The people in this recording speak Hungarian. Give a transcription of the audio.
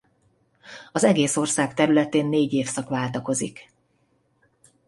Az egész ország területén négy évszak váltakozik.